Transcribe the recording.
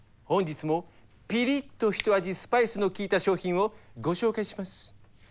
本日もピリッとひと味スパイスの効いた商品をご紹介します。